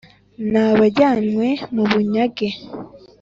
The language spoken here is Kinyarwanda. n abajyanywe mu bunyage